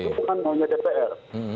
itu bukan maunya dpr